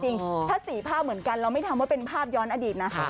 ถ้า๔ภาพเหมือนกันเราไม่ทำว่าเป็นภาพย้อนอดีตนะ